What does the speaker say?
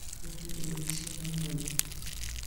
É a primeira vez que se fai en Galicia.